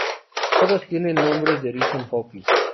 Todos tienen nombres de origen Hopi.